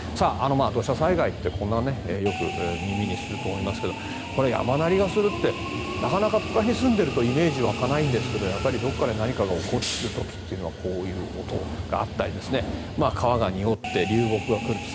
土砂災害ってよく耳にすると思いますがこの山鳴りがするってなかなか都会に住んでいるとイメージ湧かないんですがどこかで何かが起こる時はこういう音があったり川が濁って、流木が来ると。